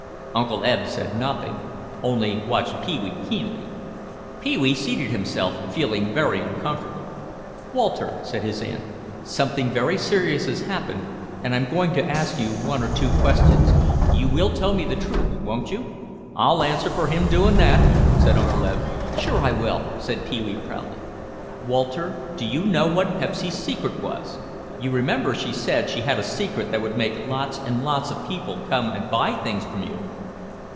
Uncle Eb said nothing, only watched Pee wee keenly. Pee wee seated himself, feeling very uncomfortable. "Walter," said his aunt, "something very serious has happened and I'm going to ask one or two questions. You will tell me the truth, won't you?" "I'll answer fer him doin' that," said Uncle Eb. "Sure I will," said Pee wee proudly. "Walter, do you know what Pepsy's secret was? You remember she said she had a secret that would make lots and lots of people come and buy things from you?"